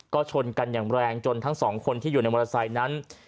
ก็ชนกันอย่างแรงจนทั้งสองคนที่อยู่ในมอเตอร์ไซค์นั้น